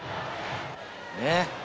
ねっ！